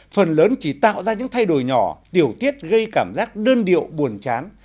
phần lớn chỉ tạo ra những thay đổi nhỏ tiểu tiết gây cảm giác đơn điệu buồn chán